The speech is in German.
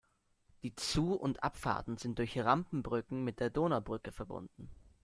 Die Zu- und Abfahrten sind durch Rampenbrücken mit der Donaubrücke verbunden.